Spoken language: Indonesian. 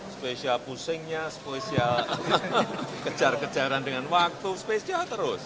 spesial pusingnya spesial kejar kejaran dengan waktu spesial terus